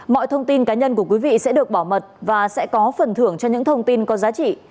mọi thông tin cá nhân của quý vị sẽ được bảo mật và sẽ có phần thưởng cho những thông tin có giá trị